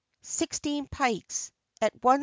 Sixteen Pikes, at 1_s.